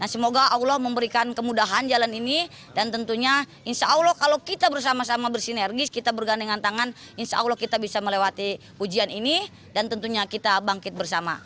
semoga allah memberikan kemudahan jalan ini dan tentunya insya allah kalau kita bersama sama bersinergis kita bergandengan tangan insya allah kita bisa melewati ujian ini dan tentunya kita bangkit bersama